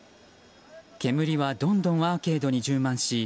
煙はどんどんアーケードに充満し